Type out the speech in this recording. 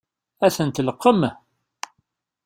Ad ten-tleqqem?